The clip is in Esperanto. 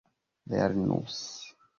lernus